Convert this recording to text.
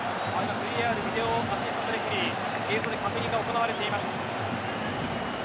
ＶＡＲビデオ・アシスタント・レフェリー映像で確認が行われています。